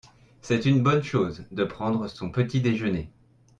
c'est une bonne chose de prendre son petit-déjeuner.